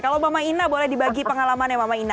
kalau mama ina boleh dibagi pengalaman ya mama ina